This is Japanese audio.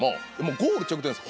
ゴール直前です